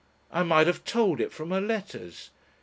I might have told it from her letters.